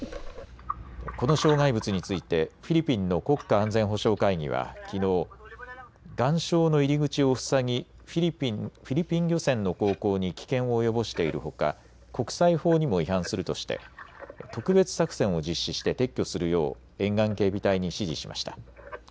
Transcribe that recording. この障害物についてフィリピンの国家安全保障会議はきのう岩礁の入り口を塞ぎフィリピン漁船の航行に危険を及ぼしているほか国際法にも違反するとして特別作戦を実施して撤去するよう沿岸警備隊に指示しました。